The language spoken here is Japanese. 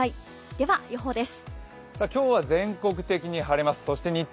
では予報です。